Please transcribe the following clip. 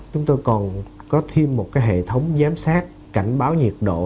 chúng tôi còn có thêm một hệ thống giám sát cảnh báo nhiệt độ